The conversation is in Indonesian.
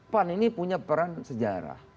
pan ini punya peran sejarah